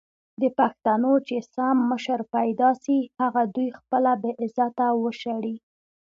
د پښتنو چې سم مشر پېدا سي هغه دوي خپله بې عزته او وشړي!